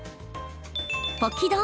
ポキ丼。